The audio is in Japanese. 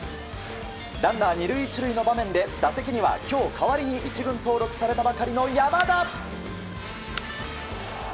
ランナー２塁１塁の場面で打席には、今日代わりに１軍登録されたばかりの山田。